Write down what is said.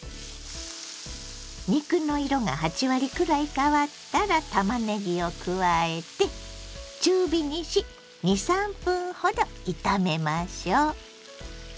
肉の色が８割くらい変わったらたまねぎを加えて中火にし２３分ほど炒めましょう。